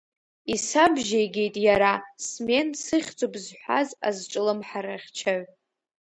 Исабжьеигеит иара, Смен сыхьӡуп зҳәаз азҿлымҳарахьчаҩ.